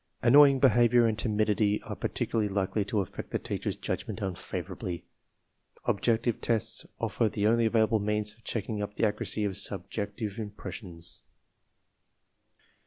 Annoying behavior and timidity are particularly likely to affect the teacher's judgment unfavorably. Objective tests offer the only available means of checking up the accuracy of subjective impressions.